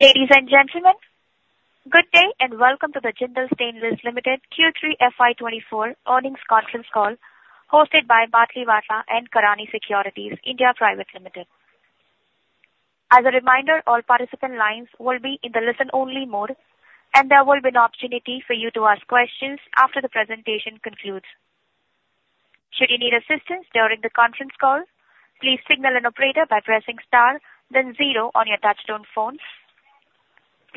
Ladies and gentlemen, good day, and welcome to the Jindal Stainless Limited Q3 FY24 earnings conference call, hosted by Batlivala and Karani Securities India Private Limited. As a reminder, all participant lines will be in the listen-only mode, and there will be an opportunity for you to ask questions after the presentation concludes. Should you need assistance during the conference call, please signal an operator by pressing star then zero on your touchtone phones.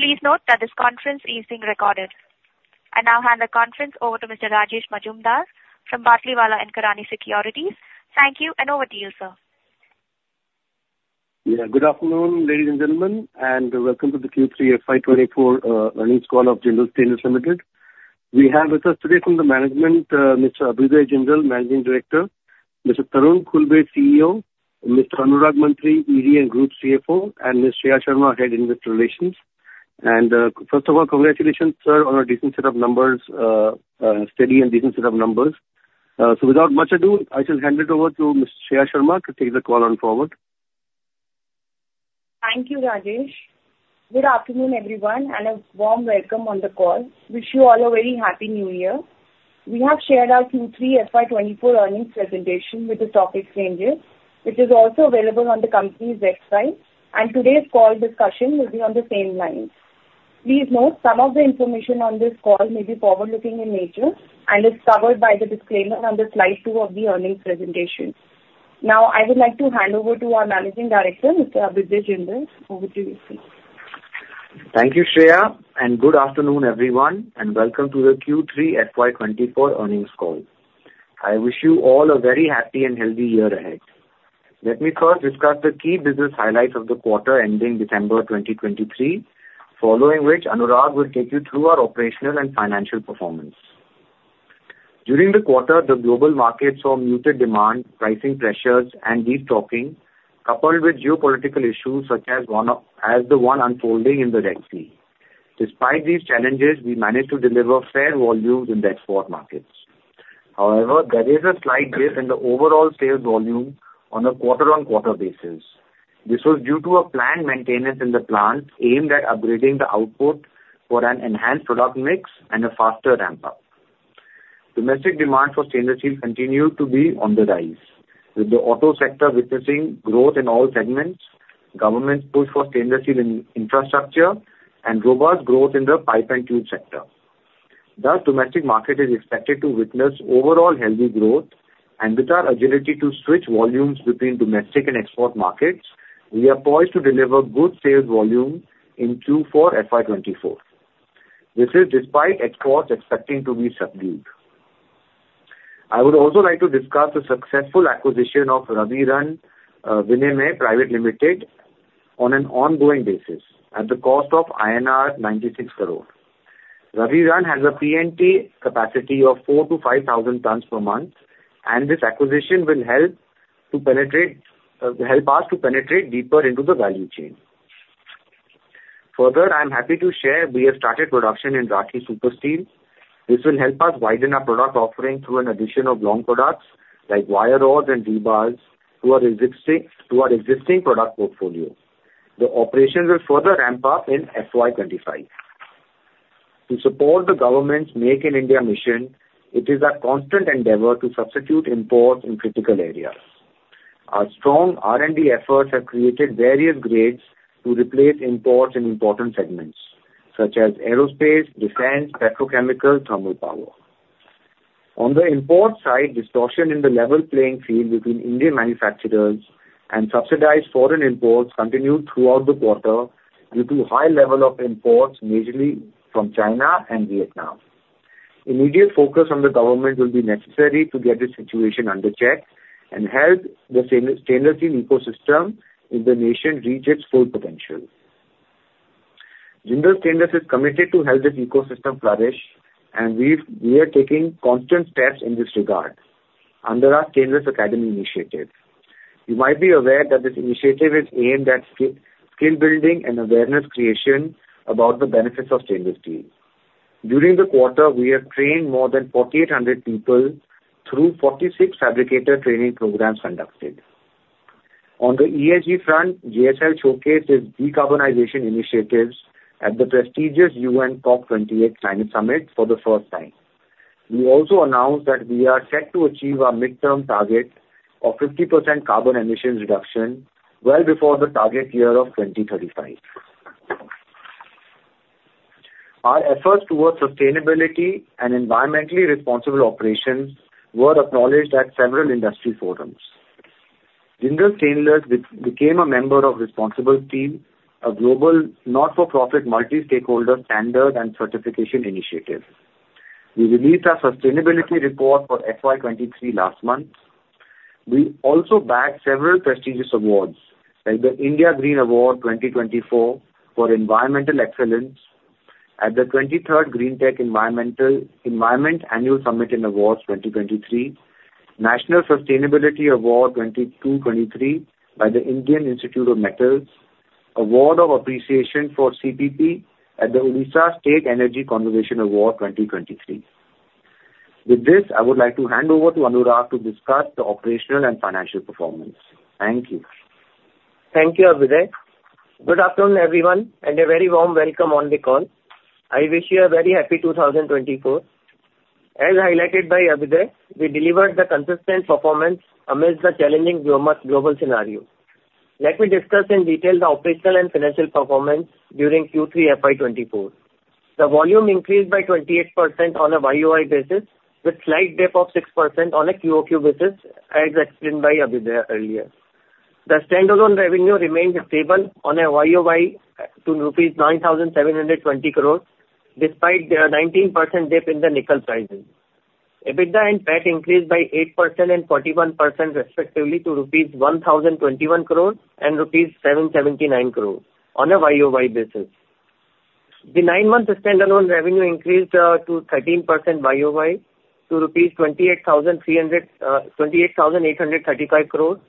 Please note that this conference is being recorded. I now hand the conference over to Mr. Rajesh Majumdar from Batlivala and Karani Securities. Thank you, and over to you, sir. Yeah, good afternoon, ladies and gentlemen, and welcome to the Q3 FY 2024 earnings call of Jindal Stainless Limited. We have with us today from the management, Mr. Abhyuday Jindal, Managing Director; Mr. Tarun Khulbe, CEO; Mr. Anurag Mantri, ED and Group CFO; and Ms. Shreya Sharma, Head Investor Relations. And, first of all, congratulations, sir, on a decent set of numbers, steady and decent set of numbers. So without much ado, I shall hand it over to Ms. Shreya Sharma to take the call forward. Thank you, Rajesh. Good afternoon, everyone, and a warm welcome on the call. Wish you all a very Happy New Year. We have shared our Q3 FY24 earnings presentation with the topic changes, which is also available on the company's website, and today's call discussion will be on the same lines. Please note some of the information on this call may be forward-looking in nature and is covered by the disclaimer on the slide 2 of the earnings presentation. Now, I would like to hand over to our Managing Director, Mr. Abhyuday Jindal. Over to you, sir. Thank you, Shreya, and good afternoon, everyone, and welcome to the Q3 FY 2024 earnings call. I wish you all a very happy and healthy year ahead. Let me first discuss the key business highlights of the quarter ending December 2023, following which Anurag will take you through our operational and financial performance. During the quarter, the global market saw muted demand, pricing pressures and destocking, coupled with geopolitical issues such as the one unfolding in the Red Sea. Despite these challenges, we managed to deliver fair volumes in the export markets. However, there is a slight dip in the overall sales volume on a quarter-on-quarter basis. This was due to a planned maintenance in the plant, aimed at upgrading the output for an enhanced product mix and a faster ramp-up. Domestic demand for stainless steel continued to be on the rise, with the auto sector witnessing growth in all segments, government push for stainless steel in infrastructure, and robust growth in the pipe and tube sector. Thus, domestic market is expected to witness overall healthy growth, and with our agility to switch volumes between domestic and export markets, we are poised to deliver good sales volume in Q4 FY 2024. This is despite exports expecting to be subdued. I would also like to discuss the successful acquisition of Raviraj Vinimay Private Limited on an ongoing basis at the cost of INR 96 crore. Raviraj has a P&T capacity of 4,000-5,000 tons per month, and this acquisition will help us to penetrate deeper into the value chain. Further, I'm happy to share we have started production in Rathi Super Steel. This will help us widen our product offering through an addition of long products, like wire rods and rebars, to our existing product portfolio. The operations will further ramp up in FY 25. To support the government's Make in India mission, it is our constant endeavor to substitute imports in critical areas. Our strong R&D efforts have created various grades to replace imports in important segments such as aerospace, defense, petrochemical, thermal power. On the import side, distortion in the level playing field between Indian manufacturers and subsidized foreign imports continued throughout the quarter due to high level of imports, majorly from China and Vietnam. Immediate focus on the government will be necessary to get the situation under check and help the stainless steel ecosystem in the nation reach its full potential. Jindal Stainless is committed to help this ecosystem flourish, and we are taking constant steps in this regard under our Stainless Academy initiative. You might be aware that this initiative is aimed at skill building and awareness creation about the benefits of stainless steel. During the quarter, we have trained more than 4,800 people through 46 fabricator training programs conducted. On the ESG front, JSL showcased its decarbonization initiatives at the prestigious UN COP 28 climate summit for the first time. We also announced that we are set to achieve our midterm target of 50% carbon emissions reduction well before the target year of 2035. Our efforts towards sustainability and environmentally responsible operations were acknowledged at several industry forums. Jindal Stainless became a member of ResponsibleSteel, a global not-for-profit, multi-stakeholder standard and certification initiative. We released our sustainability report for FY 2023 last month. We also bagged several prestigious awards, like the India Green Award 2024 for environmental excellence at the 23rd Greentech Environmental-Environment Annual Summit and Awards 2023, National Sustainability Award 2022, 2023 by the Indian Institute of Metals, Award of Appreciation for CPP at the Odisha State Energy Conservation Award 2023. With this, I would like to hand over to Anurag to discuss the operational and financial performance. Thank you. Thank you, Abhyuday. Good afternoon, everyone, and a very warm welcome on the call. I wish you a very happy 2024. As highlighted by Abhyuday, we delivered the consistent performance amidst the challenging global scenario. Let me discuss in detail the operational and financial performance during Q3 FY 2024. The volume increased by 28% on a YOY basis, with slight dip of 6% on a QOQ basis, as explained by Abhyuday earlier. The standalone revenue remained stable on a YOY to rupees 9,720 crores, despite the 19% dip in the nickel prices. EBITDA and PAT increased by 8% and 41% respectively to rupees 1,021 crores and rupees 779 crores on a YOY basis. The nine-month standalone revenue increased to 13% YOY to INR 28,835 crores.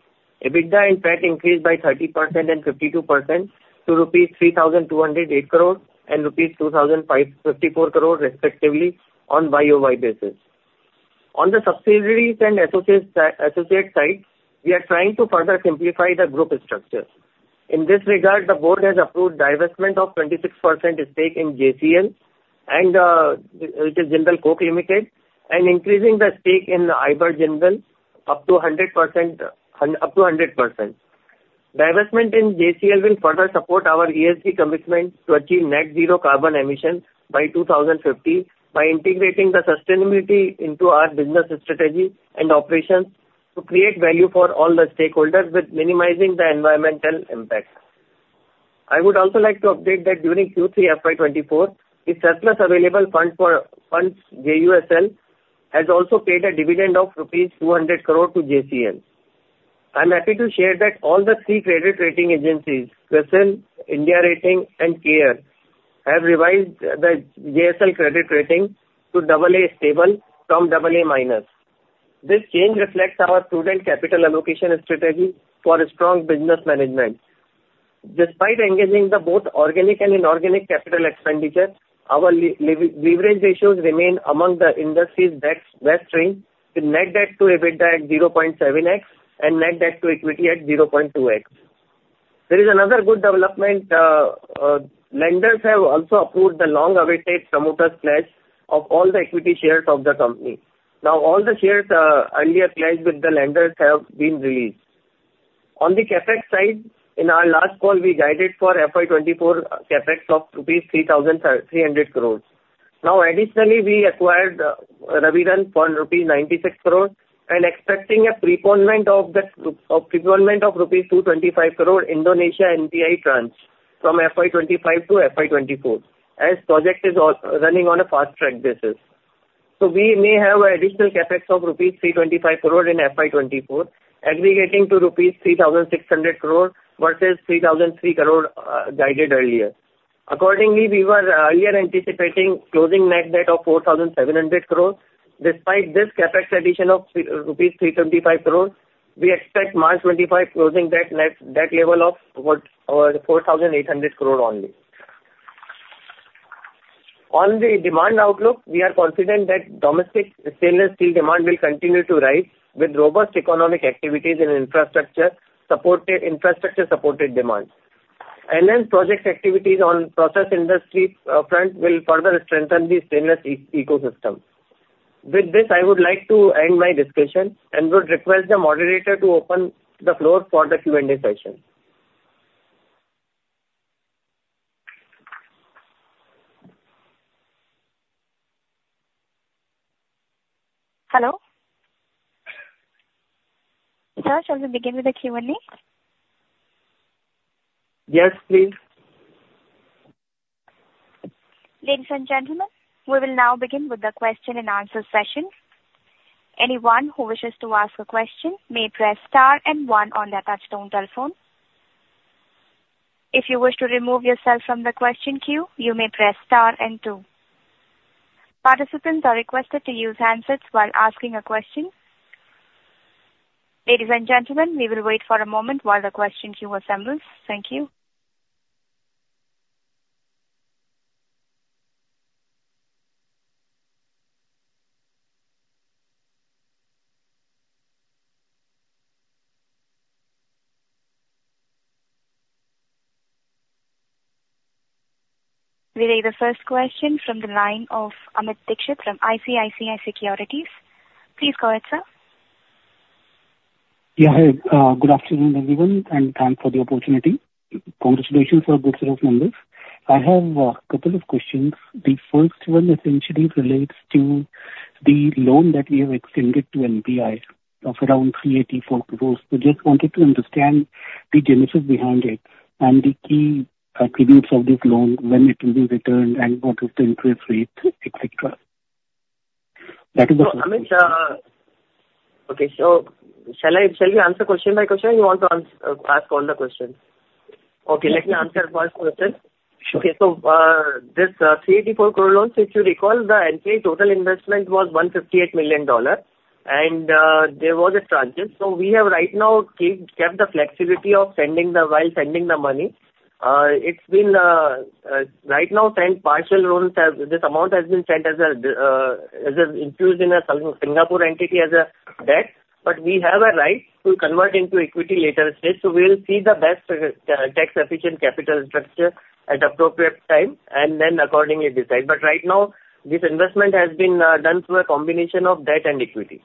EBITDA and PAT increased by 30% and 52% to 3,208 crores and 2,554 crores respectively on YOY basis. On the subsidiaries and associates, associate side, we are trying to further simplify the group structure. In this regard, the board has approved divestment of 26% stake in JCL and, which is Jindal Coke Limited, and increasing the stake in Iberjindal up to 100%. Divestment in JCL will further support our ESG commitment to achieve net zero carbon emissions by 2050, by integrating the sustainability into our business strategy and operations to create value for all the stakeholders with minimizing the environmental impact. I would also like to update that during Q3 FY 2024, the surplus available funds JUSL has also paid a dividend of rupees 200 crore to JCL. I'm happy to share that all three credit rating agencies, CRISIL, India Ratings and CARE Ratings, have revised the JSL credit rating to AA stable from AA-. This change reflects our prudent capital allocation strategy for a strong business management. Despite engaging both organic and inorganic capital expenditures, our leverage ratios remain among the industry's best strength, with net debt to EBITDA at 0.7x and net debt to equity at 0.2x. There is another good development. Lenders have also approved the long awaited promoter pledge of all the equity shares of the company. Now, all the shares earlier pledged with the lenders have been released. On the CapEx side, in our last call, we guided for FY 2024 CapEx of INR 3,300 crore. Now, additionally, we acquired Raviraj for INR 96 crore and expecting a preponement of the INR 225 crore Indonesia NPI tranche from FY 2025 to FY 2024, as project is running on a fast track basis. So we may have additional CapEx of rupees 325 crore in FY 2024, aggregating to rupees 3,600 crore versus 3,300 crore guided earlier. Accordingly, we were earlier anticipating closing net debt of 4,700 crore. Despite this CapEx addition of rupees 325 crore, we expect March 2025 closing net debt level of 4,800 crore only. On the demand outlook, we are confident that domestic stainless steel demand will continue to rise with robust economic activities and infrastructure supported, infrastructure supported demand. Major activities on process industry front will further strengthen the stainless steel ecosystem. With this, I would like to end my discussion and would request the moderator to open the floor for the Q&A session. Hello? Sir, shall we begin with the Q&A? Yes, please. Ladies and gentlemen, we will now begin with the question and answer session. Anyone who wishes to ask a question may press star and one on their touchtone telephone. If you wish to remove yourself from the question queue, you may press star and two. Participants are requested to use handsets while asking a question. Ladies and gentlemen, we will wait for a moment while the question queue assembles. Thank you. We take the first question from the line of Amit Dixit from ICICI Securities. Please go ahead, sir. Yeah, good afternoon, everyone, and thanks for the opportunity. Congratulations on good set of numbers. I have a couple of questions. The first one essentially relates to the loan that we have extended to NPI of around 384 crore. So just wanted to understand the genesis behind it and the key attributes of this loan, when it will be returned and what is the interest rate, et cetera. That is the first- So, Amit, okay, so shall I, shall we answer question by question, or you want to ask all the questions? Okay, let me answer first question. Okay, so, this, 384 crore loans, if you recall, the NPI total investment was $158 million. And, there was a transit. So we have right now kept the flexibility of sending the while sending the money. It's been, right now, sent partial loans as this amount has been sent as a, as a included in a Singapore entity as a debt, but we have a right to convert into equity later stage. So we'll see the best, tax efficient capital structure at appropriate time, and then accordingly decide. But right now, this investment has been, done through a combination of debt and equity.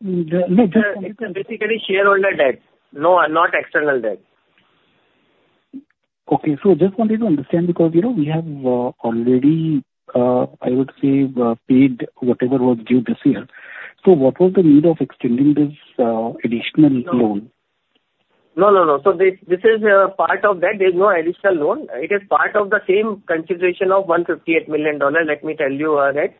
The, It's basically shareholder debt. No, not external debt. Okay. So just wanted to understand, because, you know, we have already, I would say, paid whatever was due this year. So what was the need of extending this additional loan? No, no, no. So this, this is a part of that. There's no additional loan. It is part of the same consideration of $158 million, let me tell you, right?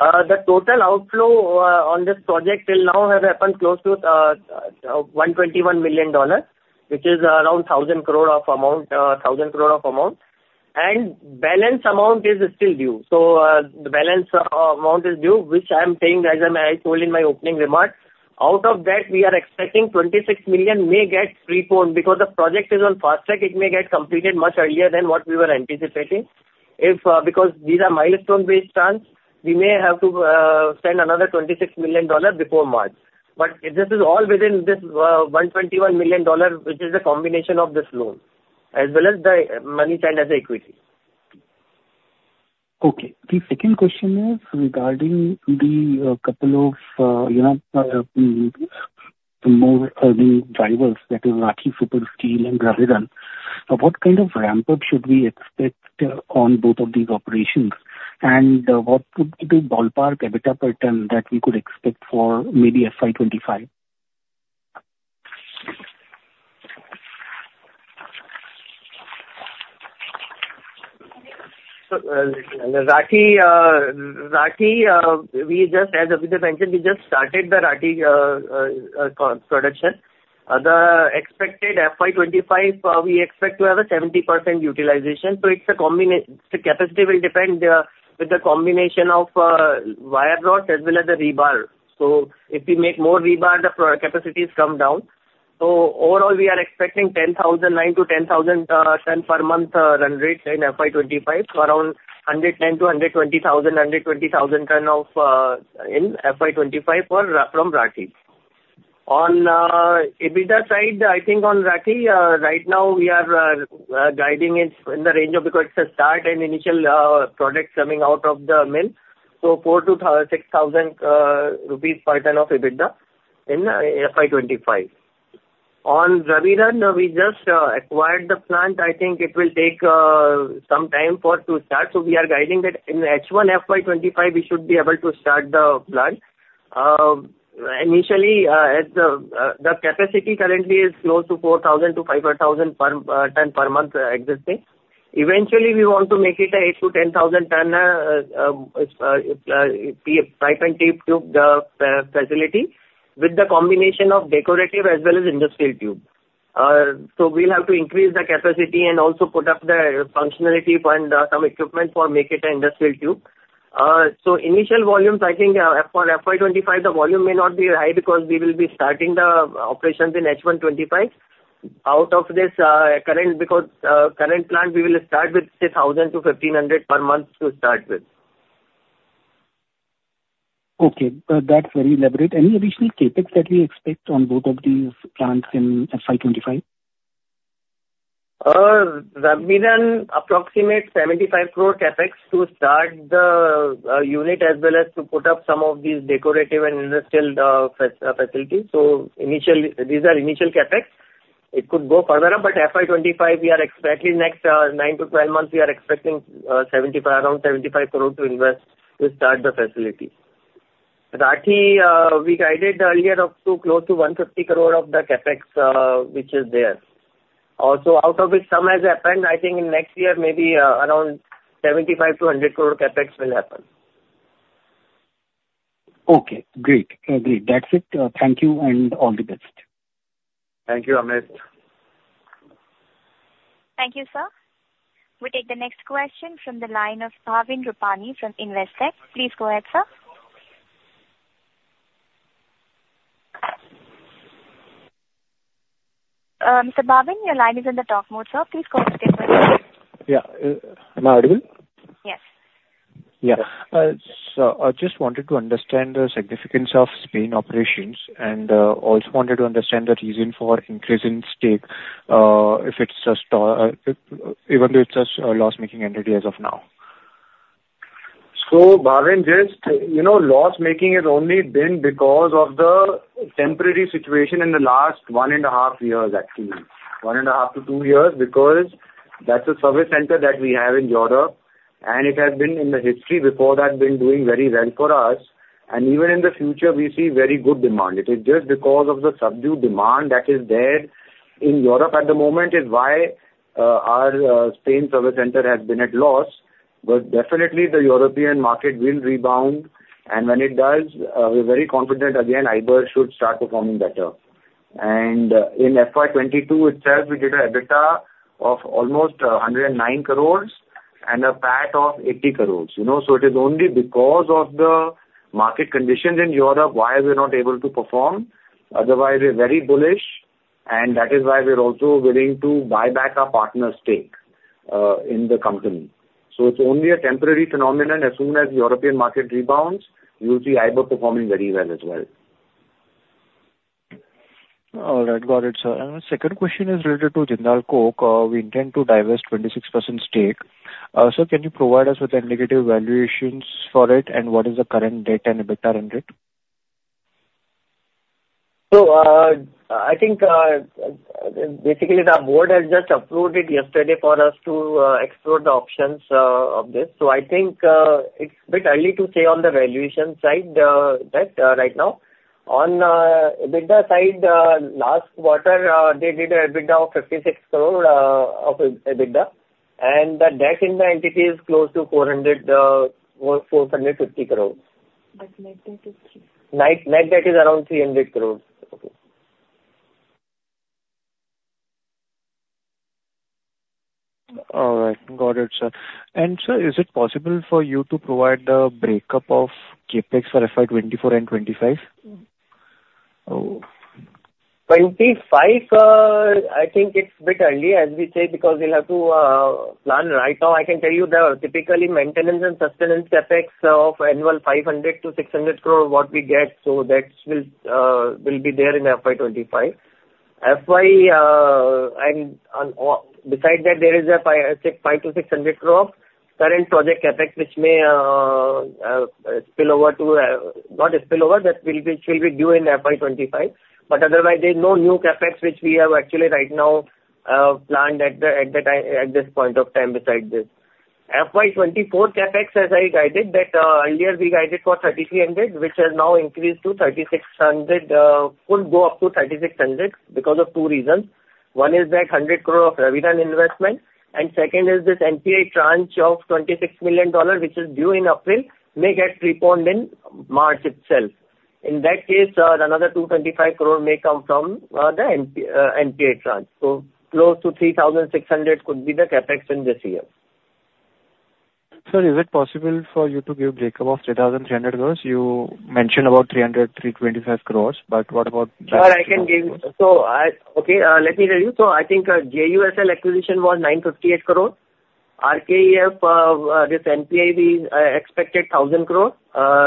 The total outflow on this project till now has happened close to $121 million, which is around 1,000 crore of amount, 1,000 crore of amount, and balance amount is still due. So, the balance amount is due, which I'm saying, as I told in my opening remarks. Out of that, we are expecting $26 million may get preponed. Because the project is on fast track, it may get completed much earlier than what we were anticipating. If, because these are milestone-based terms, we may have to send another $26 million before March. But this is all within this $121 million, which is a combination of this loan, as well as the money sent as an equity. Okay. The second question is regarding the couple of, you know, more new drivers, that is Rathi Super Steel and Raviraj. So what kind of ramp up should we expect on both of these operations? And what would be the ballpark EBITDA per ton that we could expect for maybe FY 2025? As Abhyuday mentioned, we just started the Rathi production. The expected FY 25, we expect to have a 70% utilization, so the capacity will depend with the combination of wire rod as well as the rebar. So overall, we are expecting 9,000-10,000 tons per month run rate in FY 25, so around 110,000-120,000 tons in FY 25 from Rathi. On EBITDA side, I think on Rathi, right now we are guiding it in the range of because it's a start and initial product coming out of the mill, so 4,000-6,000 rupees per ton of EBITDA in FY 2025. On Raviraj, we just acquired the plant. I think it will take some time for to start, so we are guiding that in H1 FY 2025, we should be able to start the plant. Initially, at the capacity currently is close to 4,000-5,000 tons per month existing. Eventually, we want to make it a 8,000-10,000-ton pipe and tube facility with the combination of decorative as well as industrial tube. So we'll have to increase the capacity and also put up the functionality and some equipment for make it an industrial tube. So initial volumes, I think, for FY 2025, the volume may not be high because we will be starting the operations in H1 2025. Out of this current, because current plant, we will start with say 1,000-1,500 per month to start with. Okay, that's very elaborate. Any additional CapEx that we expect on both of these plants in FY 25? Raviraj, approximate 75 crore CapEx to start the unit as well as to put up some of these decorative and industrial facilities. So initially, these are initial CapEx. It could go further up, but FY 2025, we are expecting next nine to twelve months, we are expecting seventy-five, around 75 crore to invest to start the facility. Rathi, we guided earlier up to close to 150 crore of the CapEx, which is there. Also, out of which some has happened, I think in next year, maybe around 75 crore-100 crore CapEx will happen. Okay, great. Great. That's it. Thank you and all the best. Thank you, Amit. Thank you, sir. We take the next question from the line of Bhavin Rupani from Investec. Please go ahead, sir. Mr. Bhavin, your line is on the talk mode, sir. Please go ahead. Yeah. Am I audible? Yes. Yeah. So I just wanted to understand the significance of Spain operations, and also wanted to understand the reason for increase in stake, if it's just even though it's a loss-making entity as of now. So Bhavin, just, you know, loss-making has only been because of the temporary situation in the last 1.5 years, actually. 1.5-2 years, because that's a service center that we have in Europe, and it has been, in the history before that, been doing very well for us, and even in the future, we see very good demand. It is just because of the subdued demand that is there in Europe at the moment is why our Spain service center has been at loss. But definitely the European market will rebound, and when it does, we're very confident again, Ibérica should start performing better. And in FY 2022 itself, we did an EBITDA of almost 109 crore and a PAT of 80 crore. You know, so it is only because of the market conditions in Europe why we're not able to perform. Otherwise, we're very bullish, and that is why we are also willing to buy back our partner's stake in the company. So it's only a temporary phenomenon. As soon as the European market rebounds, you'll see Ibérica performing very well as well. All right. Got it, sir. The second question is related to Jindal Coke. We intend to divest 26% stake. Sir, can you provide us with any negative valuations for it, and what is the current debt and EBITDA in it? I think, basically, the board has just approved it yesterday for us to explore the options of this. I think it's a bit early to say on the valuation side, that right now. On EBITDA side, last quarter, they did an EBITDA of 56 crore, and the debt in the entity is close to 450 crore. Net debt is 3. Net, net debt is around 300 crore. Okay. All right. Got it, sir. Sir, is it possible for you to provide the breakup of CapEx for FY 2024 and 2025? 25, I think it's a bit early, as we say, because we'll have to plan. Right now, I can tell you the typical maintenance and sustenance CapEx of annual 500-600 crore what we get, so that will be there in FY 2025. FY 2025 and on, beside that, there is, say, 500-600 crore current project CapEx, which may spill over to, not spill over, but will be, shall be due in FY 2025. But otherwise, there's no new CapEx which we have actually right now planned at this point of time besides this. FY 2024 CapEx, as I guided, earlier we guided for 3,300 crore, which has now increased to 3,600 crore, could go up to 3,600 crore because of two reasons. One is the 100 crore of Raviraj investment, and second is this NPI tranche of $26 million, which is due in April, may get preponed in March itself. In that case, another 225 crore may come from the NPI tranche. So close to 3,600 could be the CapEx in this year. Sir, is it possible for you to give breakup of 3,300 crore? You mentioned about 325 crore, but what about the rest? Sure, I can give you. So, okay, let me tell you. So I think, JUSL acquisition was 958 crore. RKEF, this NPI, we expected 1,000 crore,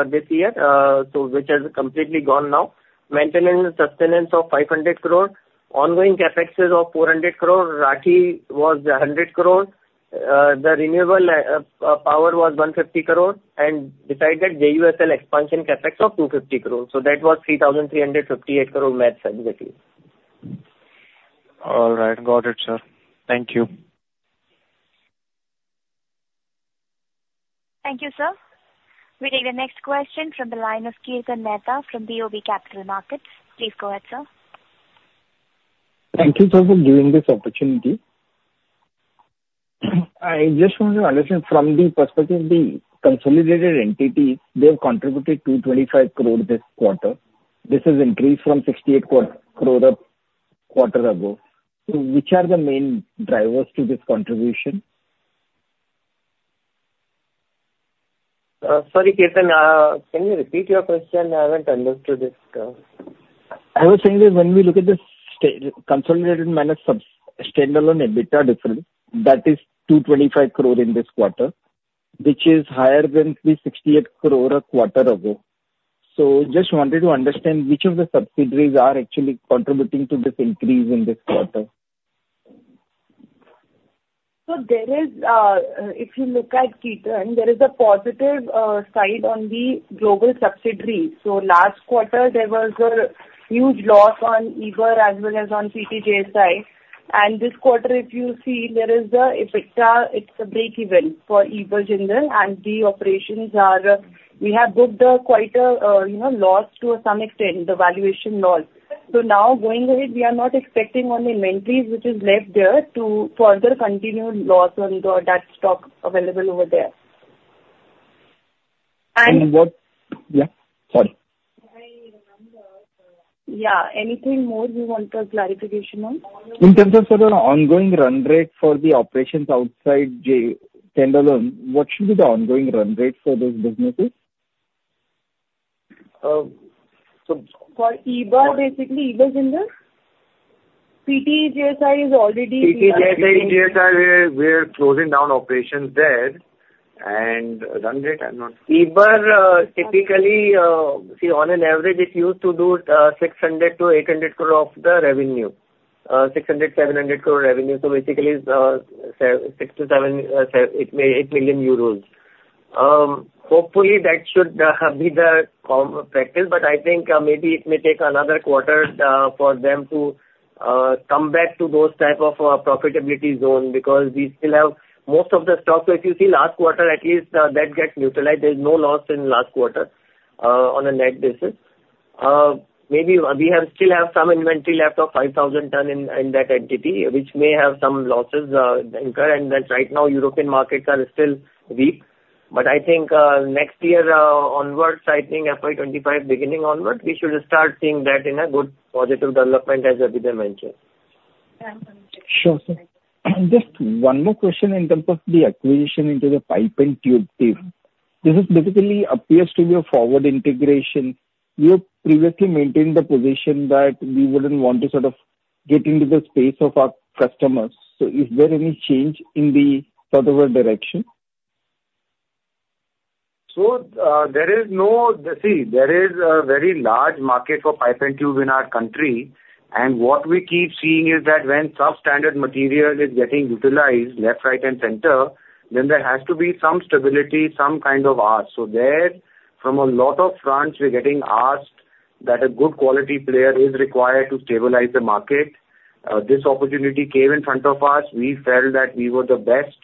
this year, so which has completely gone now. Maintenance and sustenance of 500 crore, ongoing CapEx of 400 crore, Rathi was 100 crore, the renewable power was 150 crore, and beside that, JUSL expansion CapEx of 250 crore. So that was 3,358 crore maths exactly. All right. Got it, sir. Thank you. Thank you, sir. We take the next question from the line of Kirtan Mehta from BOB Capital Markets. Please go ahead, sir. Thank you, sir, for giving this opportunity. I just want to understand from the perspective of the consolidated entity, they have contributed 225 crore this quarter. This is increased from 68 crore, quarter ago. So which are the main drivers to this contribution? Sorry, Ketan, can you repeat your question? I haven't understood it. I was saying that when we look at the consolidated minus standalone EBITDA difference, that is 225 crore in this quarter, which is higher than the 68 crore a quarter ago. So just wanted to understand which of the subsidiaries are actually contributing to this increase in this quarter. So there is, if you look at Ketan, there is a positive side on the global subsidiaries. So last quarter, there was a huge loss on Ibérica as well as on PTJSI. And this quarter, if you see, there is a EBITDA, it's a breakeven for Iberjindal, and the operations are... We have booked quite a you know loss to some extent, the valuation loss. So now, going ahead, we are not expecting on inventories, which is left there, to further continue loss on the that stock available over there. And- What... Yeah, sorry. Yeah. Anything more you want a clarification on? In terms of, sort of, ongoing run rate for the operations outside JSL standalone, what should be the ongoing run rate for those businesses? Uh, so- For Ibérica, basically Iberjindal? PTJSI is already- PTJSI, we are closing down operations there, and run rate, I'm not sure. However, typically, see, on an average, it used to do 600 crore-800 crore of revenue. 600, 700 crore revenue, so basically, 6-7, 7-8 million euros. Hopefully, that should have be the form of practice, but I think maybe it may take another quarter for them to come back to those type of profitability zone, because we still have most of the stock. So if you see last quarter, at least that gets neutralized. There's no loss in last quarter on a net basis. Maybe we still have some inventory left of 5,000 tons in that entity, which may have some losses incurred, and right now, European markets are still weak. ... But I think, next year, onwards, I think FY 2025 beginning onwards, we should start seeing that in a good positive development, as Abhyuday mentioned. Sure, sir. Just one more question in terms of the acquisition into the pipe and tube team. This is basically appears to be a forward integration. You previously maintained the position that we wouldn't want to sort of get into the space of our customers. So is there any change in the sort of, direction? So, see, there is a very large market for pipe and tube in our country, and what we keep seeing is that when substandard material is getting utilized left, right, and center, then there has to be some stability, some kind of ask. So there, from a lot of fronts, we're getting asked that a good quality player is required to stabilize the market. This opportunity came in front of us. We felt that we were the best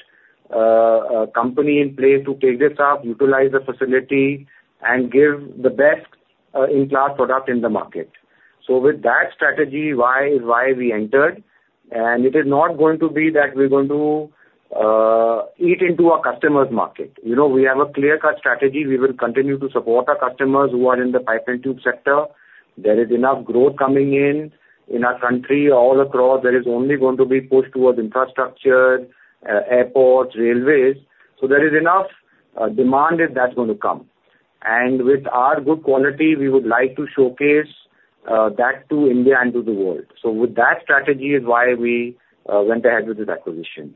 company in place to take this up, utilize the facility, and give the best in-class product in the market. So with that strategy, why we entered, and it is not going to be that we're going to eat into our customers' market. You know, we have a clear-cut strategy. We will continue to support our customers who are in the pipe and tube sector. There is enough growth coming in, in our country, all across, there is only going to be push towards infrastructure, airports, railways. So there is enough, demand, and that's going to come. And with our good quality, we would like to showcase, that to India and to the world. So with that strategy is why we, went ahead with this acquisition.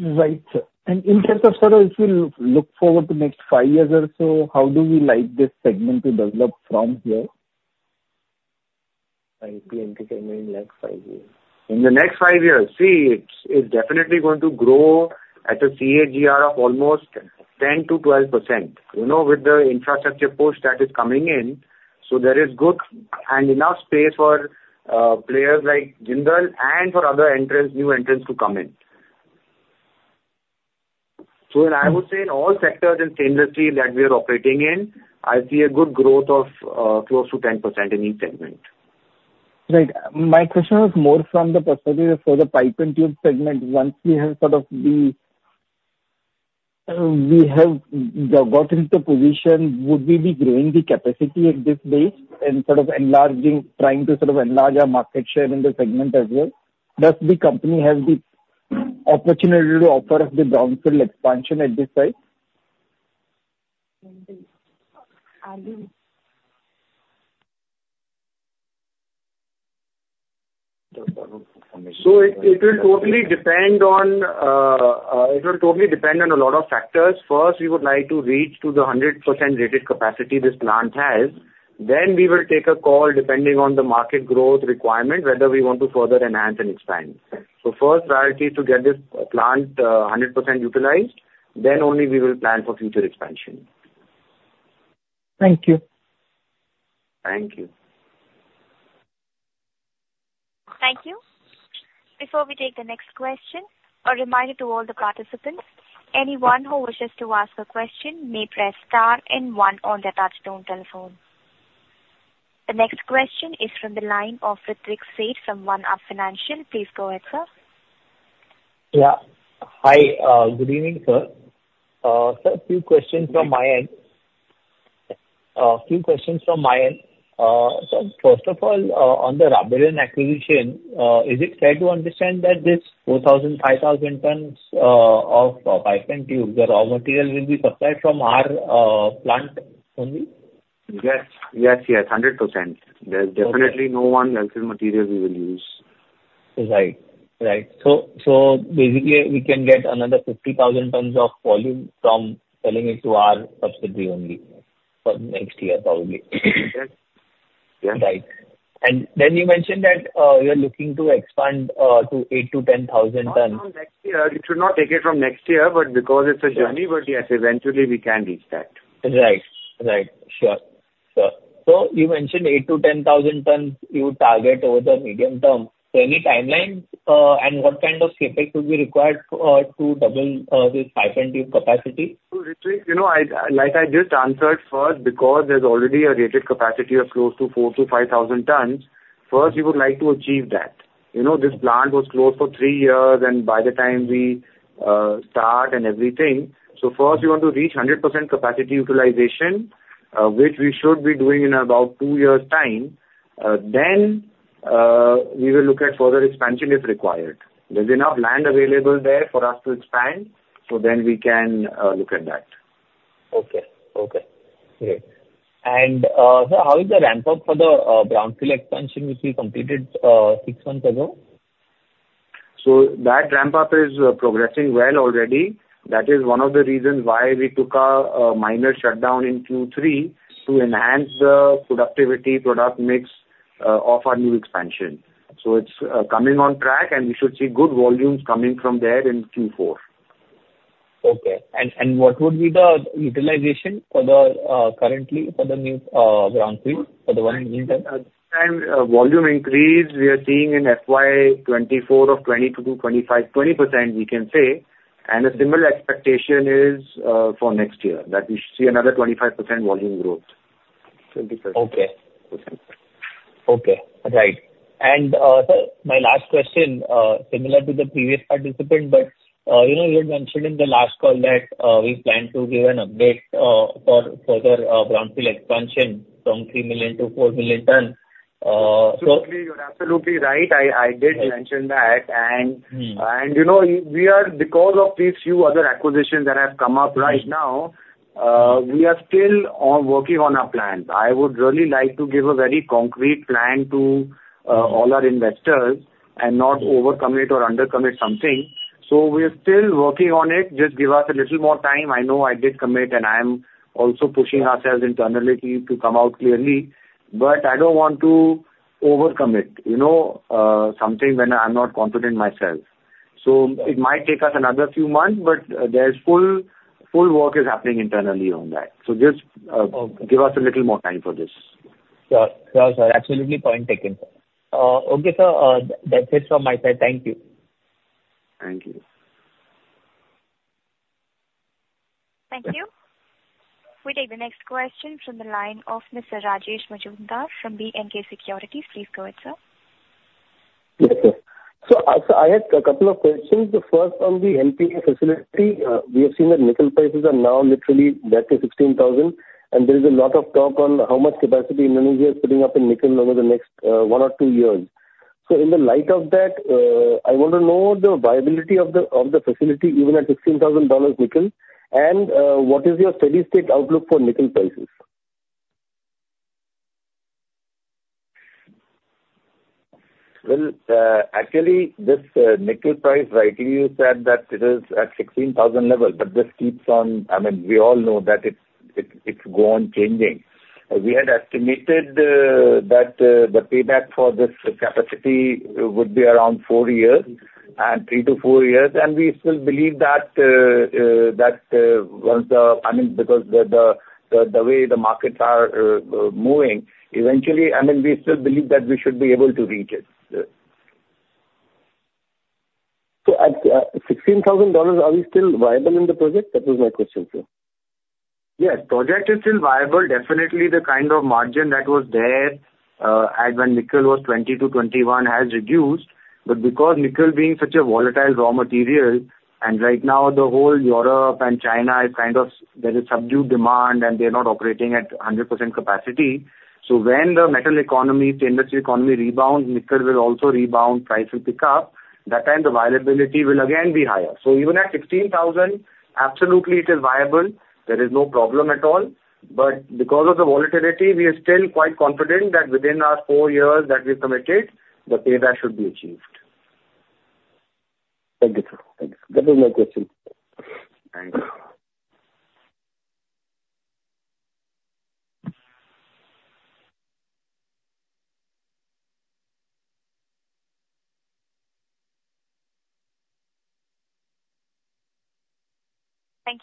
Right, sir. In terms of sort of if we look forward to next five years or so, how do we like this segment to develop from here? Like the entertainment in next five years. In the next five years, see, it's, it's definitely going to grow at a CAGR of almost 10%-12%. You know, with the infrastructure push that is coming in, so there is good and enough space for players like Jindal and for other entrants, new entrants to come in. So I would say in all sectors in this industry that we are operating in, I see a good growth of close to 10% in each segment. Right. My question was more from the perspective of for the pipe and tube segment, once we have sort of the, we have got into position, would we be growing the capacity at this stage and sort of enlarging, trying to sort of enlarge our market share in the segment as well? Does the company have the opportunity to offer us the downstream expansion at this stage? So it will totally depend on a lot of factors. First, we would like to reach to the 100% rated capacity this plant has. Then we will take a call, depending on the market growth requirement, whether we want to further enhance and expand. So first priority is to get this plant 100% utilized, then only we will plan for future expansion. Thank you. Thank you. Thank you. Before we take the next question, a reminder to all the participants, anyone who wishes to ask a question may press star and one on their touch-tone telephone. The next question is from the line of Ritwik Seth from OneUp Financial. Please go ahead, sir. Yeah. Hi. Good evening, sir. Sir, a few questions from my end. So first of all, on the Raviraj acquisition, is it fair to understand that this 4,000-5,000 tons of pipe and tube, the raw material will be supplied from our plant only? Yes. Yes, yes, 100%. There's definitely no one else's material we will use. Basically, we can get another 50,000 tons of volume from selling it to our subsidiary only for next year, probably. Yes. Right. And then you mentioned that, you're looking to expand to 8,000-10,000 tons. Not from next year. You should not take it from next year, but because it's a journey, but yes, eventually we can reach that. Right. Right. Sure. So, so you mentioned 8,000-10,000 tons you target over the medium term. So any timelines, and what kind of CapEx will be required, to double, this pipe and tube capacity? So Ritwik, you know, I, like I just answered, first, because there's already a rated capacity of close to 4,000-5,000 tons, first, we would like to achieve that. You know, this plant was closed for three years, and by the time we start and everything. So first, we want to reach 100% capacity utilization, which we should be doing in about two years' time. Then, we will look at further expansion, if required. There's enough land available there for us to expand, so then we can look at that. Okay. Okay, great. And, sir, how is the ramp-up for the brownfield expansion, which we completed six months ago? That ramp-up is progressing well already. That is one of the reasons why we took a minor shutdown in Q3, to enhance the productivity, product mix of our new expansion. It's coming on track, and we should see good volumes coming from there in Q4. Okay. And what would be the utilization for the, currently for the new, brownfield, for the one in Jindal? Time, volume increase we are seeing in FY 2024 of 20%-25%, 20% we can say, and a similar expectation is for next year, that we should see another 25% volume growth.... Okay. Okay, right. And, sir, my last question, similar to the previous participant, but, you know, you had mentioned in the last call that we plan to give an update for further brownfield expansion from 3 million-4 million tons. So- Absolutely, you're absolutely right. I, I did mention that. Mm. You know, we are because of these few other acquisitions that have come up right now, we are still working on our plans. I would really like to give a very concrete plan to all our investors and not over-commit or under-commit something. So we are still working on it. Just give us a little more time. I know I did commit, and I am also pushing ourselves internally to come out clearly. But I don't want to over-commit, you know, something when I'm not confident myself. So it might take us another few months, but there's full work happening internally on that. So just Okay. Give us a little more time for this. Sure. Sure, sir, absolutely, point taken. Okay, sir, that's it from my side. Thank you. Thank you. Thank you. We take the next question from the line of Mr. Rajesh Majumdar from BNK Securities. Please go ahead, sir. Yes, sir. So I had a couple of questions. The first on the NPI facility. We have seen that nickel prices are now literally back to $16,000, and there is a lot of talk on how much capacity Indonesia is putting up in nickel over the next one or two years. So in the light of that, I want to know the viability of the facility, even at $16,000 nickel, and what is your steady-state outlook for nickel prices? Well, actually, this nickel price, rightly you said that it is at $16,000 level, but this keeps on... I mean, we all know that it go on changing. We had estimated that the payback for this capacity would be around 4 years, and 3-4 years, and we still believe that once the, I mean, because the way the markets are moving, eventually, I mean, we still believe that we should be able to reach it. At $16,000, are we still viable in the project? That was my question, sir. Yes, project is still viable. Definitely, the kind of margin that was there as when nickel was $20-$21 has reduced. But because nickel being such a volatile raw material, and right now the whole Europe and China is kind of, there is subdued demand, and they're not operating at 100% capacity. So when the metal economy, the industry economy rebounds, nickel will also rebound, price will pick up. That time, the viability will again be higher. So even at $16,000, absolutely it is viable. There is no problem at all. But because of the volatility, we are still quite confident that within our four years that we've committed, the payback should be achieved. Thank you, sir. Thank you. That was my question. Thanks. Thank you. We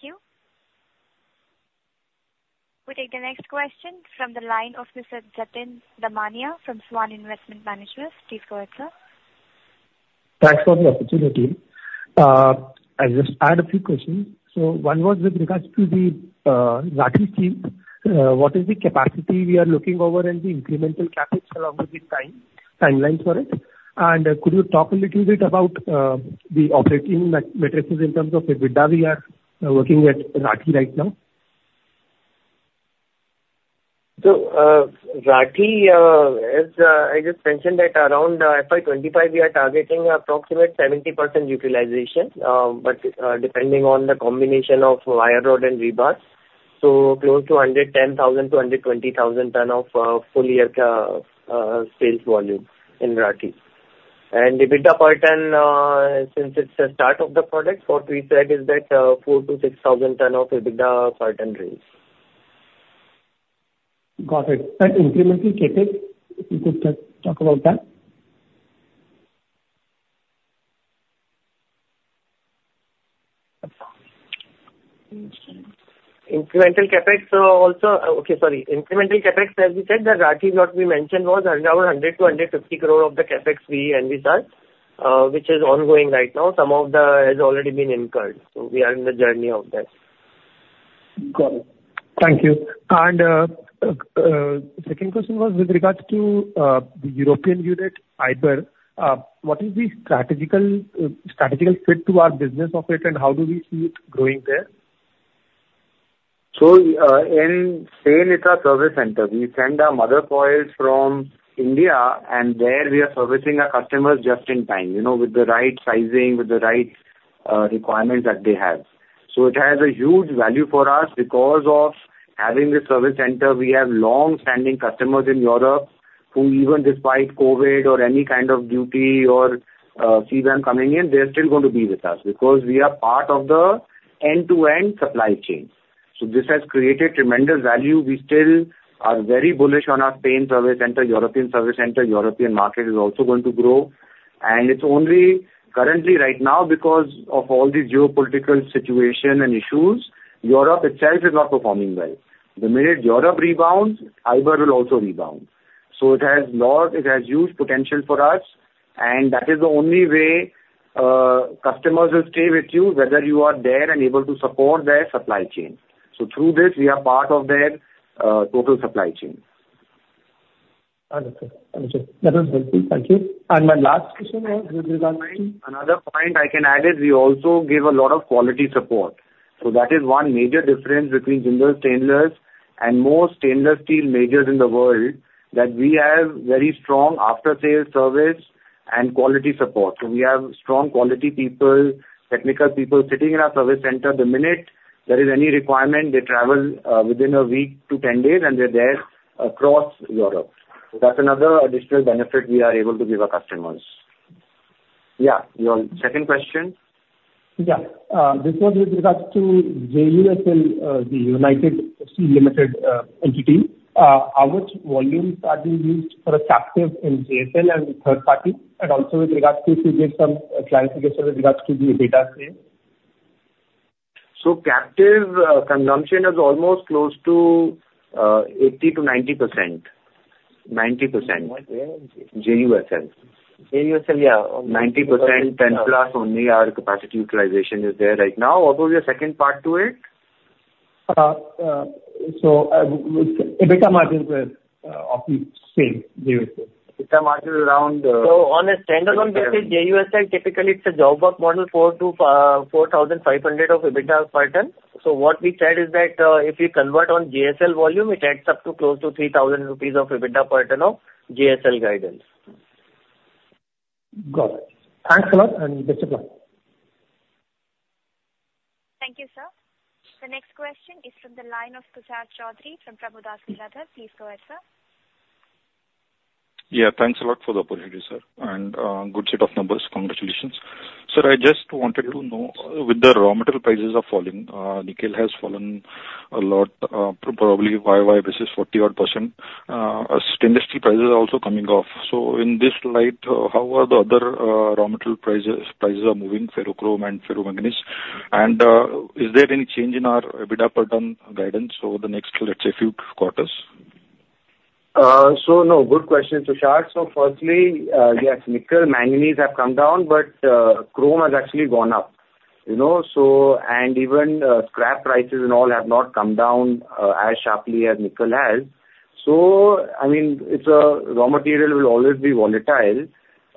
take the next question from the line of Mr. Jatin Damania from Swan Investment Managers. Please go ahead, sir. Thanks for the opportunity. I just had a few questions. So one was with regards to the Rathi scheme. What is the capacity we are looking over and the incremental CapEx along with the timelines for it? And could you talk a little bit about the operating matrices in terms of EBITDA we are working at Rathi right now? So, Rathi, as I just mentioned that around FY 2025, we are targeting approximate 70% utilization, but depending on the combination of wire rod and rebars, so close to 110,000-120,000 tons of full year sales volume in Rathi. And EBITDA per ton, since it's a start of the product, what we said is that 4,000-6,000 per ton EBITDA range. Got it. And incremental CapEx, if you could just talk about that. Incremental CapEx, as we said, the Rathi what we mentioned was around 100 crore-150 crore of the CapEx we envisaged, which is ongoing right now. Some of the has already been incurred, so we are in the journey of that. Got it. Thank you. Second question was with regards to the European unit, Ibérica. What is the strategic fit to our business of it, and how do we see it growing there? So, in Spain, it's our service center. We send our mother coils from India, and there we are servicing our customers just in time, you know, with the right sizing, with the right requirements that they have. So it has a huge value for us. Because of having this service center, we have long-standing customers in Europe, who even despite COVID or any kind of duty or fees are coming in, they're still going to be with us, because we are part of the end-to-end supply chain. So this has created tremendous value. We still are very bullish on our Spain service center, European service center. European market is also going to grow. And it's only currently right now, because of all the geopolitical situation and issues, Europe itself is not performing well. The minute Europe rebounds, IBER will also rebound. It has huge potential for us. That is the only way customers will stay with you, whether you are there and able to support their supply chain. Through this, we are part of their total supply chain. Understood. Understood. That was helpful. Thank you. And my last question is with regard to- Another point I can add is we also give a lot of quality support. So that is one major difference between Jindal Stainless and most stainless steel majors in the world, that we have very strong after-sales service and quality support. So we have strong quality people, technical people sitting in our service center. The minute there is any requirement, they travel, within a week to 10 days, and they're there across Europe. So that's another additional benefit we are able to give our customers. Yeah, your second question? Yeah. This was with regards to JUSL, the Jindal United Steel Limited entity. How much volumes are being used for captive in JSL and the third party, and also with regards to, could you give some clarification with regards to the EBITDA sale? Captive consumption is almost close to 80%-90%. 90%. What was it? JUSL. JUSL, yeah. 90%, 10+, only our capacity utilization is there right now. What was your second part to it? EBITDA margin of the same JUSL. EBITDA margin around, On a standalone basis, JUSL, typically, it's a job work model, 4,000-4,500 of EBITDA per ton. What we said is that, if you convert on JSL volume, it adds up to close to 3,000 rupees of EBITDA per ton of JSL guidance. Got it. Thanks a lot, and best of luck. Thank you, sir. The next question is from the line of Tushar Chaudhari from Prabhudas Lilladher. Please go ahead, sir. Yeah, thanks a lot for the opportunity, sir, and good set of numbers. Congratulations. Sir, I just wanted to know, with the raw material prices are falling, nickel has fallen a lot, probably YoY basis, 40-odd%. Stainless steel prices are also coming off. So in this light, how are the other raw material prices moving, ferrochrome and ferromanganese? And, is there any change in our EBITDA per ton guidance over the next, let's say, few quarters? So no, good question, Tushar. So firstly, yes, nickel, manganese have come down, but chrome has actually gone up, you know, so, and even scrap prices and all have not come down as sharply as nickel has. So, I mean, it's a raw material will always be volatile.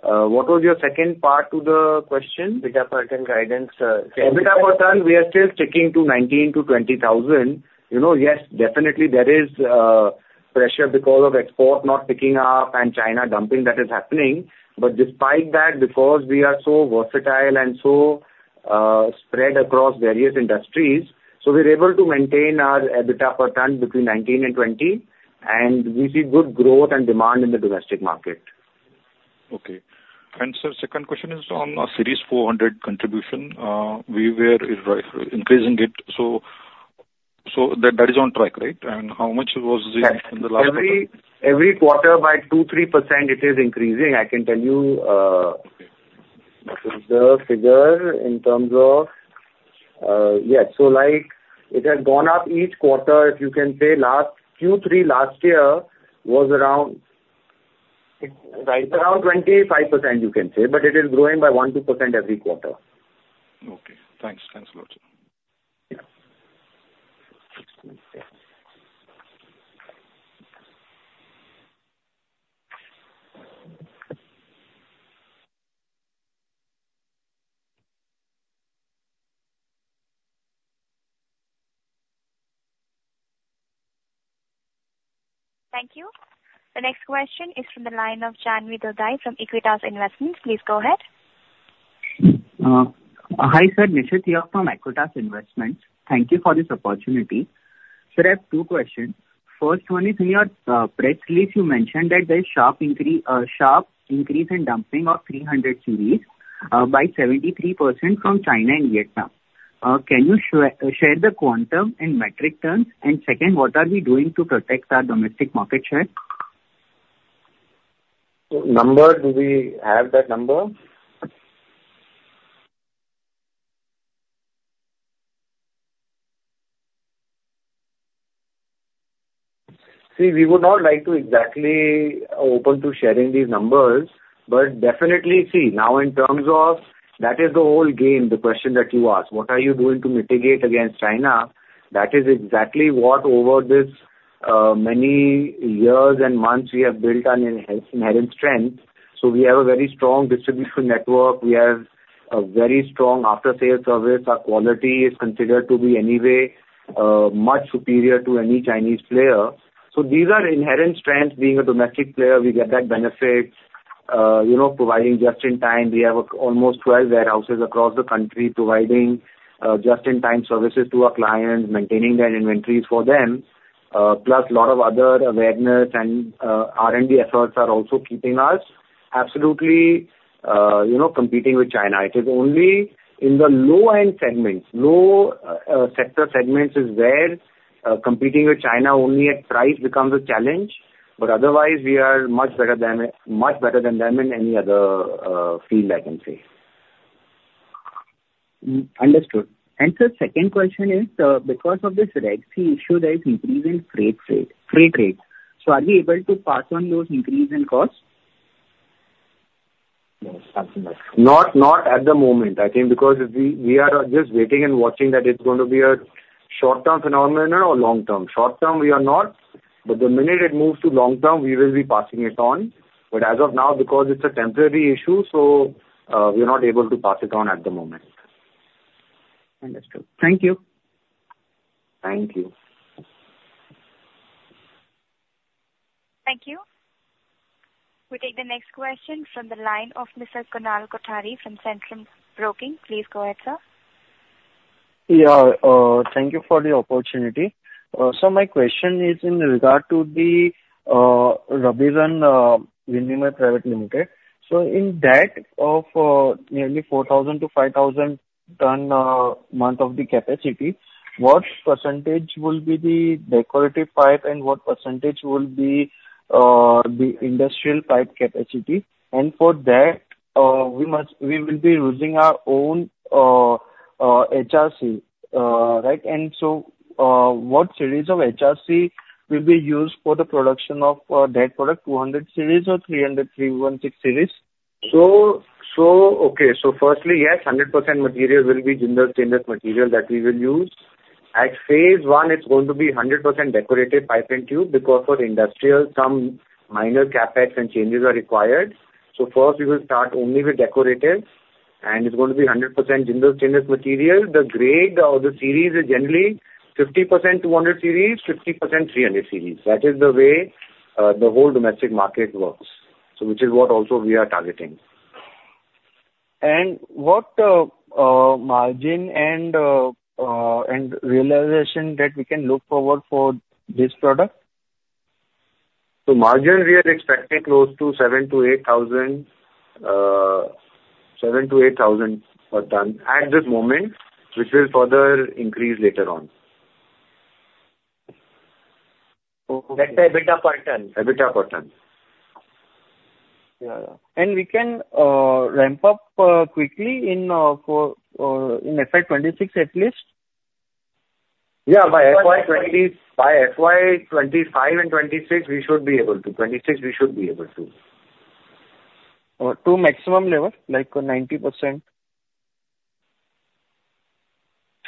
What was your second part to the question? EBITDA per ton guidance. EBITDA per ton, we are still sticking to 19,000-20,000. You know, yes, definitely there is pressure because of export not picking up and China dumping that is happening, but despite that, because we are so versatile and so spread across various industries, so we're able to maintain our EBITDA per ton between 19,000 and 20,000, and we see good growth and demand in the domestic market. Okay. And sir, second question is on our 400 Series contribution. We were increasing it, so that is on track, right? And how much was it in the last quarter? Every, every quarter by 2-3% it is increasing. I can tell you, Okay. What is the figure in terms of... yes, so like, it has gone up each quarter. If you can say last Q3 last year was around, around 25%, you can say, but it is growing by 1, 2% every quarter. Okay, thanks. Thanks a lot, sir. Yeah. Thank you. The next question is from the line of Janvi Dudhai from Equitas Investments. Please go ahead. Hi, sir. Nishit here from Equitas Investments. Thank you for this opportunity. Sir, I have two questions. First one is, in your press release, you mentioned that there's sharp increase in dumping of 300 series by 73% from China and Vietnam. Can you share the quantum in metric terms? And second, what are we doing to protect our domestic market share? Number, do we have that number? See, we would not like to exactly open to sharing these numbers, but definitely, see, now in terms of that is the whole game, the question that you asked. What are you doing to mitigate against China? That is exactly what over this, many years and months we have built an inherent strength. So we have a very strong distribution network. We have a very strong after-sales service. Our quality is considered to be anyway, much superior to any Chinese player. So these are inherent strengths. Being a domestic player, we get that benefit, you know, providing just-in-time. We have almost 12 warehouses across the country, providing, just-in-time services to our clients, maintaining their inventories for them, plus lot of other awareness and, R&D efforts are also keeping us absolutely, you know, competing with China. It is only in the low-end segments, low, sector segments is where, competing with China only at price becomes a challenge. But otherwise, we are much better than, much better than them in any other, field, I can say.... Mm, understood. And sir, second question is, because of this Red Sea issue, there is increase in freight rate. So are we able to pass on those increase in costs? Yes, absolutely. Not at the moment, I think, because we are just waiting and watching that it's going to be a short-term phenomenon or long-term. Short-term, we are not, but the minute it moves to long-term, we will be passing it on. But as of now, because it's a temporary issue, so we are not able to pass it on at the moment. Understood. Thank you. Thank you. Thank you. We take the next question from the line of Mr. Kunal Kothari from Centrum Broking. Please go ahead, sir. Yeah, thank you for the opportunity. So my question is in regard to the Raviraj Vinay May Private Limited. So in that of nearly 4,000-5,000 ton month of the capacity, what percentage will be the decorative pipe and what percentage will be the industrial pipe capacity? And for that, we must- we will be using our own HRC, right? And so, what series of HRC will be used for the production of that product, 200 series or 300, 316 series? Firstly, yes, 100% material will be Jindal Stainless material that we will use. At phase one, it's going to be 100% decorative pipe and tube, because for industrial, some minor CapEx and changes are required. So first we will start only with decorative, and it's going to be 100% Jindal Stainless material. The grade or the series is generally 50% 200 series, 50% 300 series. That is the way the whole domestic market works, so which is what also we are targeting. What margin and realization that we can look forward for this product? So, margin, we are expecting close to 7,000-8,000, 7,000-8,000 per ton at this moment, which will further increase later on. Okay. That's EBITDA per ton? EBITDA per ton. Yeah. And we can ramp up quickly in FY 26, at least? Yeah, by FY 2025 and 2026, we should be able to. 2026, we should be able to. To maximum level, like 90%?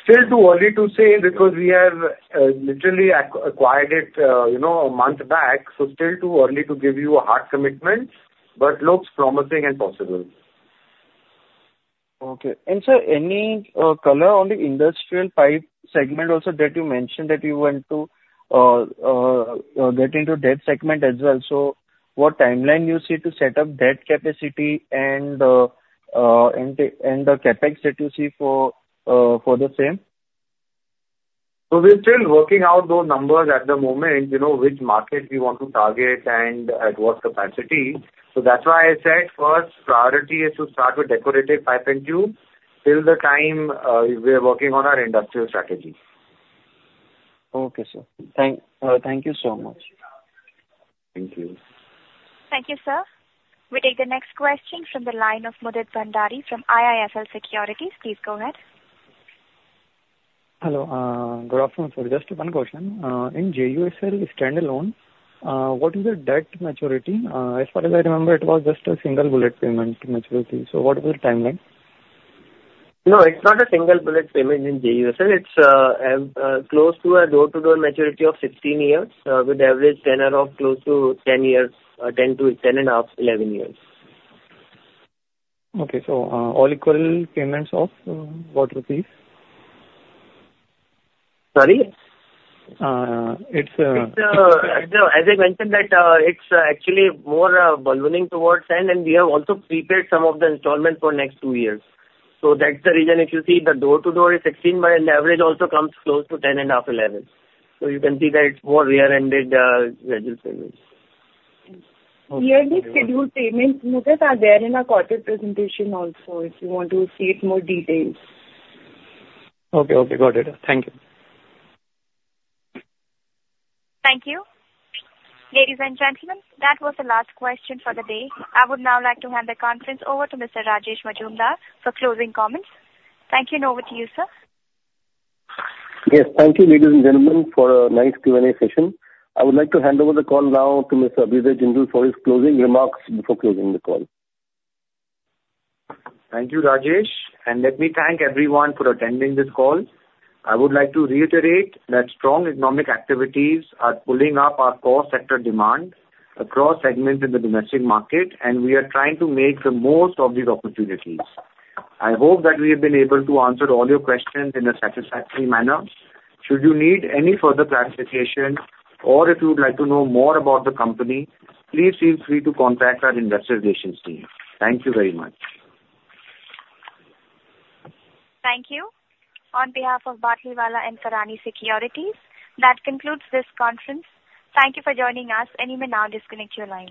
Still too early to say because we have literally acquired it, you know, a month back, so still too early to give you a hard commitment, but looks promising and possible. Okay. And sir, any color on the industrial pipe segment also, that you mentioned that you want to get into that segment as well. So what timeline you see to set up that capacity and the CapEx that you see for the same? So we're still working out those numbers at the moment, you know, which market we want to target and at what capacity. So that's why I said first priority is to start with decorative pipe and tube, till the time, we are working on our industrial strategy. Okay, sir. Thank you so much. Thank you. Thank you, sir. We take the next question from the line of Mudit Bhandari from IIFL Securities. Please go ahead. Hello. Good afternoon, sir. Just one question. In JUSL standalone, what is the debt maturity? As far as I remember, it was just a single bullet payment maturity. So what is the timeline? No, it's not a single bullet payment in JUSL. It's close to a door-to-door maturity of 16 years, with average tenor of close to 10 years, 10 to 10.5-11 years. Okay. So, all equal payments of what rupees? Sorry? It's It's, as I mentioned, that it's actually more ballooning towards end, and we have also prepaid some of the installments for next 2 years. So that's the reason, if you see, the door-to-door is 16, but an average also comes close to 10.5, 11. So you can see that it's more rear-ended, gradual payments. Okay. Yearly scheduled payments, Mudit, are there in our quarter presentation also, if you want to see it more details. Okay, okay. Got it. Thank you. Thank you. Ladies and gentlemen, that was the last question for the day. I would now like to hand the conference over to Mr. Rajesh Majumdar for closing comments. Thank you, and over to you, sir. Yes. Thank you, ladies and gentlemen, for a nice Q&A session. I would like to hand over the call now to Mr. Abhyuday Jindal for his closing remarks before closing the call. Thank you, Rajesh, and let me thank everyone for attending this call. I would like to reiterate that strong economic activities are pulling up our core sector demand across segments in the domestic market, and we are trying to make the most of these opportunities. I hope that we have been able to answer all your questions in a satisfactory manner. Should you need any further clarification, or if you would like to know more about the company, please feel free to contact our investor relations team. Thank you very much. Thank you. On behalf of Batlivala and Karani Securities, that concludes this conference. Thank you for joining us, and you may now disconnect your lines.